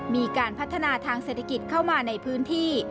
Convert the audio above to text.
มีการพัฒนาทางเศรษฐกิจเข้ามาในพื้นที่